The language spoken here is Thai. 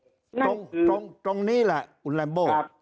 ตรงตรงนี้แหละลับโหล